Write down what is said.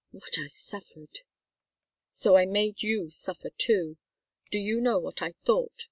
What I suffered! So I made you suffer, too. Do you know what I thought?